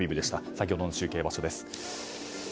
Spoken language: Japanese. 先ほどの中継場所です。